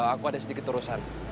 aku ada sedikit urusan